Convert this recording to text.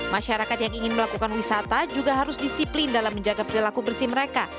masyarakat yang ingin melakukan wisata juga harus disiplin dalam menjaga perilaku bersih mereka